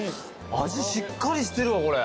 味しっかりしてるわこれ。